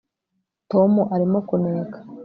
tom arimo kuneka